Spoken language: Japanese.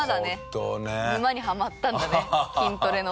沼にはまったんだね筋トレの。